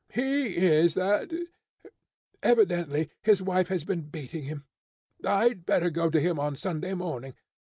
He is that evidently, his wife has been beating him. I'd better go to him on Sunday morning.